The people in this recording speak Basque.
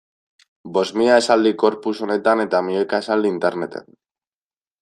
Bost mila esaldi corpus honetan eta milioika esaldi interneten.